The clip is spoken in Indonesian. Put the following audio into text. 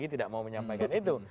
tidak mau menyampaikan itu